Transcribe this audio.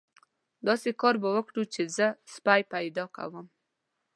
داسې کار به وکړو چې زه سپی پیدا کوم.